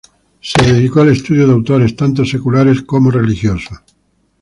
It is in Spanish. Se dedicó al estudio de autores tanto seculares como religiosos.